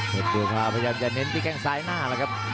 เห็นเบื้อภาพพยายามจะเน้นที่แข่งซ้ายหน้าครับ